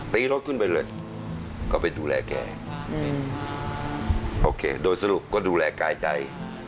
ตีรถขึ้นไปเลยก็ไปดูแลแกโอเคโดยสรุปก็ดูแลกายใจ